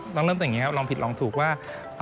เริ่มแต่งอย่างนี้ครับลองผิดลองถูกว่า